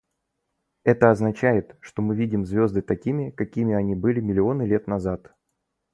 Это означает, что мы видим звезды такими, какими они были миллионы лет назад.